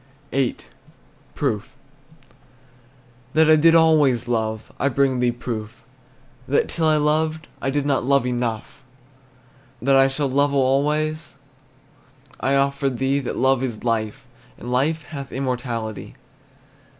VIII. PROOF. That I did always love, I bring thee proof: That till I loved I did not love enough. That I shall love alway, I offer thee That love is life, And life hath immortality.